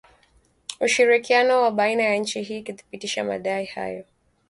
Ushirikiano wa baina ya nchi ili kuthibitisha madai hayo